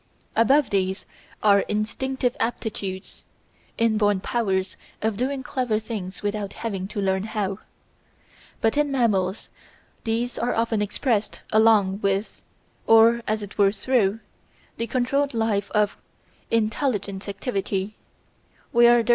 Above these are instinctive aptitudes, inborn powers of doing clever things without having to learn how. But in mammals these are often expressed along with, or as it were through, the controlled life of intelligent activity, where there is more clear cut perceptual influence.